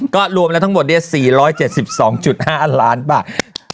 ก็รวมแล้วทั้งหมด๔๗๒๕ล้านบาท